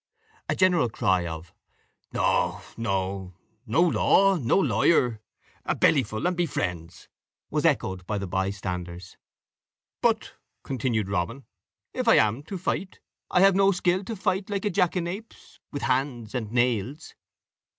A general cry of "No, no no law, no lawyer! A bellyful and be friends!" was echoed by the bystanders. "But," continued Robin, "if I am to fight, I have no skill to fight like a jackanapes, with hands and nails."